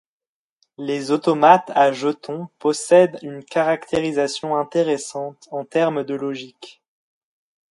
Les automates à jetons possèdent un caractérisation intéressante en termes de logique.